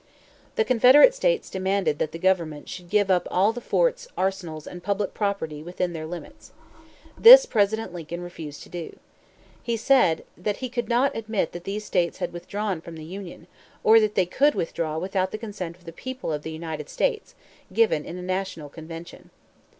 The Confederate States demanded that the government should give up all the forts, arsenals, and public property within their limits. This, President Lincoln refused to do. He said that he could not admit that these states had withdrawn from the Union, or that they could withdraw without the consent of the people of the United States, given in a national convention.